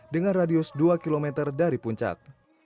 dengan radius dua km dari puncak